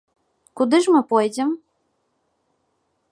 Куды ж мы пойдзем?